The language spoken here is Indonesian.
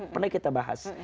pernah kita bahas